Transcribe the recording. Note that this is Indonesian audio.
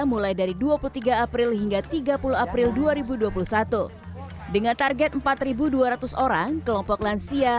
mulai dari dua puluh tiga april hingga tiga puluh april dua ribu dua puluh satu dengan target empat ribu dua ratus orang kelompok lansia